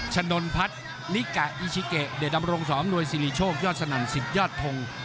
ชนลพัฒน์นิกะอิชิเกะเดี๋ยวดำรงสองนวยซิริโชคยอดสนั่นสิบยอดทง